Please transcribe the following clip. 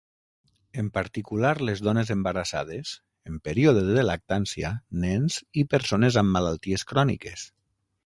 En particular les dones embarassades, en període de lactància, nens i persones amb malalties cròniques.